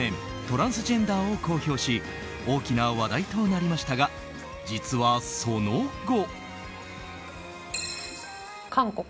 トランスジェンダーを公表し大きな話題となりましたが実はその後。